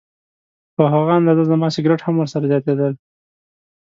په هغه اندازه زما سګرټ هم ورسره زیاتېدل.